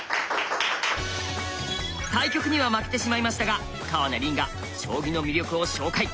対局には負けてしまいましたが川名凜が将棋の魅力を紹介。